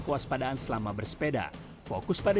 kuas padaan selama bersepeda fokus pada